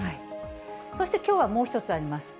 そして、きょうはもう一つあります。